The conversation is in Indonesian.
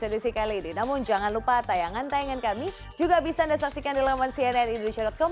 dan di sini kali ini namun jangan lupa tayangan tayangan kami juga bisa anda saksikan di laman cnnindonesia com